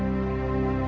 aku mau pergi ke rumah